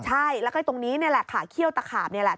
ใช่แล้วก็ตรงนี้นี่แหละค่ะเขี้ยวตะขาบนี่แหละ